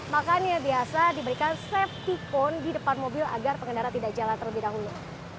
makanya biasa diberikan safety cone di depan mobil agar pengendara tidak jalan terlebih dahulu